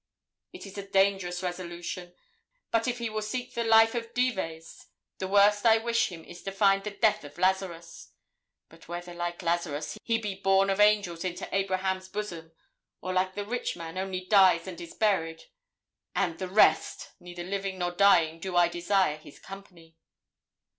It is a dangerous resolution. But if he will seek the life of Dives, the worst I wish him is to find the death of Lazarus. But whether, like Lazarus, he be borne of angels into Abraham's bosom, or, like the rich man, only dies and is buried, and the rest, neither living nor dying do I desire his company.'